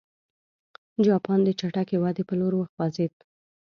جاپان د چټکې ودې په لور وخوځېد.